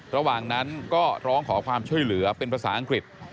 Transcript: ระหว่างนั้นก็ร้องขอความช่วยเหลือเป็นภาษาอังกฤษ